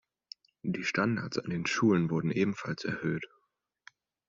Die Standards an den Schulen wurden ebenfalls erhöht.